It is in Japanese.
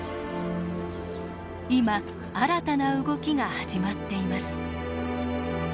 今新たな動きが始まっています。